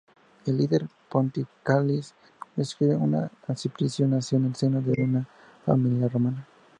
El "Liber Pontificalis", describe que Simplicio nació en el seno de una familia romana.